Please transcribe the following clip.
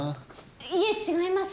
いえ違います